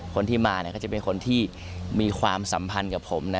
คนที่มาก็จะเป็นคนที่มีความสัมพันธ์กับผมนะ